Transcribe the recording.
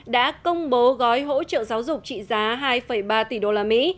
đã công bố gói hỗ trợ giáo dục trị giá hai ba tỷ đô la mỹ